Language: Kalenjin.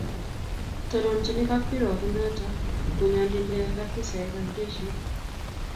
tononchini kapkirwoke nito bunyondit ne yoe afisaekab jeshit.